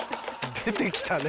出てきたね。